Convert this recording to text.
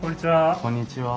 こんにちは。